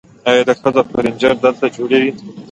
آیا د ښوونځیو فرنیچر دلته جوړیږي؟